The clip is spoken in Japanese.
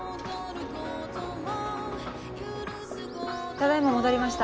ただ今戻りました。